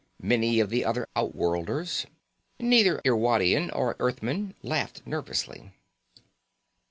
Many of the other outworlders, neither Irwadian nor Earthmen, laughed nervously.